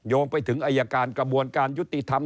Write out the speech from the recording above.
โยงไปถึงอายการกรรมการยุติธรรม